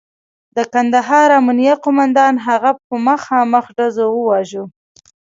د کندهار امنیه قوماندان هغه په مخامخ ډزو وواژه.